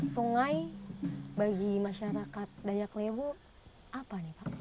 sungai ini bagi masyarakat dayak lebo apa